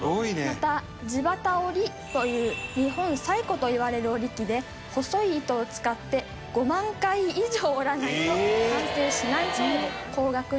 また地機織りという日本最古といわれる織り機で細い糸を使って５万回以上織らないと完成しないそうで。